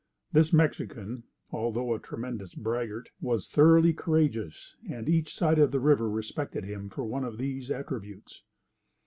This Mexican, although a tremendous braggart, was thoroughly courageous, and each side of the river respected him for one of these attributes.